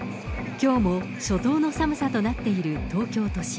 きょうも初冬の寒さとなっている東京都心。